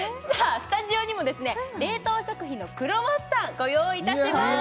スタジオにもですね冷凍食品のクロワッサンご用意いたしました